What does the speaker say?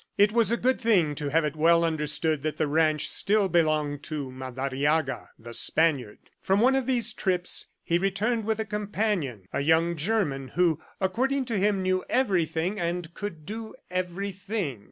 It was a good thing to have it well understood that the ranch still belonged to Madariaga, the Spaniard. From one of these trips, he returned with a companion, a young German who, according to him, knew everything and could do everything.